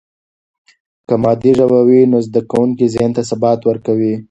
که مادي ژبه وي، نو د زده کوونکي ذهن ته ثبات ورکوي.